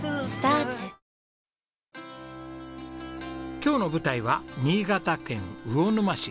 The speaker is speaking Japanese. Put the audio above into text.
今日の舞台は新潟県魚沼市。